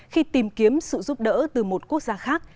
khi tìm kiếm sự giúp đỡ từ một quốc gia khác